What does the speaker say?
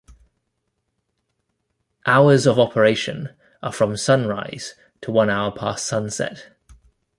Hours of operation are from sunrise to one hour past sunset.